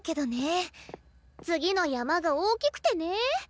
次の山が大きくてねえ。